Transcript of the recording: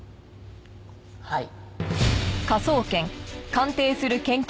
はい。